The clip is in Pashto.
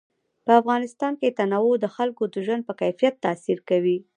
په افغانستان کې تنوع د خلکو د ژوند په کیفیت تاثیر کوي.